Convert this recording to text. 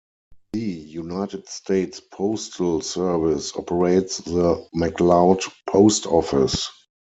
The United States Postal Service operates the McLoud Post Office.